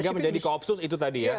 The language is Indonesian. sehingga menjadi kop sus itu tadi ya